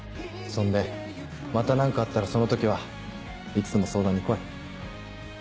そんでまた何かあったらその時はいつでも相談に来い。